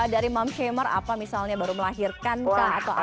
dari mom shamer apa misalnya baru melahirkan kah atau apa